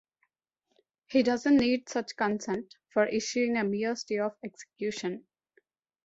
He doesn't need such consent for issuing a mere stay of execution.